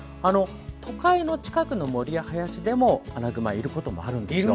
都会の近くの森や林にもアナグマがいることがあるんですよ。